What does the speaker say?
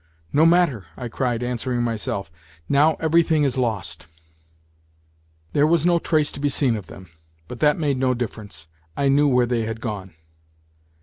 " No matter !" I cried, answering mj^self. " Now everything is lost !" There was no trace to be seen of them, but that made no difference I knew where they had gone.